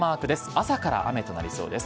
朝から雨となりそうです。